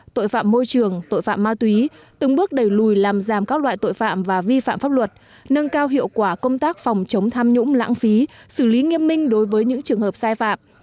tội phạm môi trường tội phạm ma túy từng bước đẩy lùi làm giảm các loại tội phạm và vi phạm pháp luật nâng cao hiệu quả công tác phòng chống tham nhũng lãng phí xử lý nghiêm minh đối với những trường hợp sai phạm